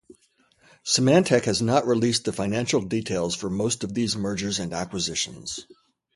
Symantec has not released the financial details for most of these mergers and acquisitions.